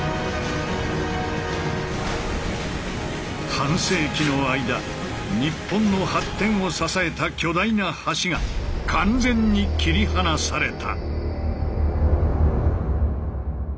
半世紀の間日本の発展を支えた巨大な橋が完全に切り離された。